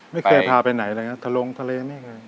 ไม่เคยพาไปไหนเลยนะทะลงทะเลไม่เคย